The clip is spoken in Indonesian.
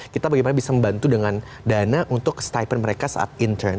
kita bagaimana bisa membantu dengan dana untuk stipen mereka saat intern